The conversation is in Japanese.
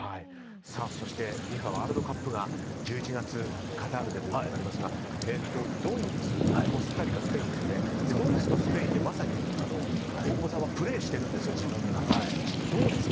そして、ＦＩＦＡワールドカップが１１月カタールでということになりますがドイツ、コスタリカスペインですよね。ドイツとスペインで大久保さんはプレーしているんですよ。